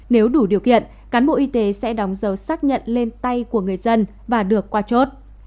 nếu đủ điều kiện cán bộ y tế sẽ đóng dấu xác nhận lên tay của người dân và được qua chốt